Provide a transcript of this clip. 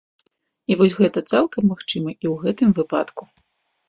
І вось гэта цалкам магчыма і ў гэтым выпадку.